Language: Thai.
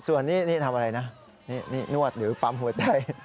ส่วนนี้นี่ทำอะไรนะนี่นวดหรือปั๊มหัวใจ